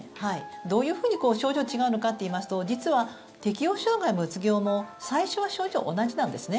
どういうふうに症状違うのかといいますと実は、適応障害もうつ病も最初は症状、同じなんですね。